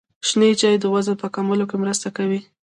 شنې چايي د وزن په کمولو کي مرسته کوي.